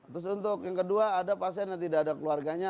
terus untuk yang kedua ada pasien yang tidak ada keluarganya